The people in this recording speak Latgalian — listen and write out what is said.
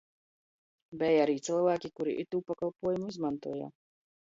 Beja ari cylvāki, kuri itū pakolpuojumu izmontuoja.